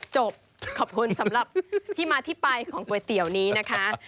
ขอบคุณสำหรับที่มาที่ไปของก๋วยเตี๋ยวนี้นะคะ